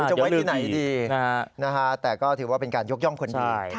จะไว้ที่ไหนดีแต่ก็ถือว่าเป็นการยกย่องคนดี